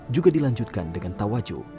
juga dilanjutkan dengan tawaju